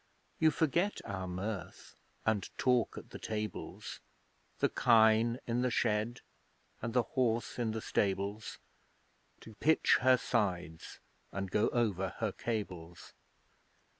You forget our mirth, and talk at the tables, The kine in the shed and the horse in the stables To pitch her sides and go over her cables!